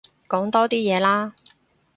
講多啲嘢啦